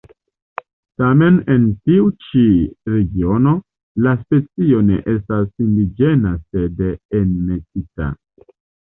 Tamen en tiu ĉi regiono, la specio ne estas indiĝena sed enmetita.